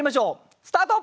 スタート！